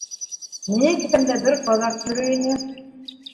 Минең кеҫәмдә бер ҡаҙаҡ йөрөй ине.